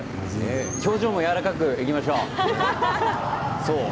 表情もやわらかくいきましょう。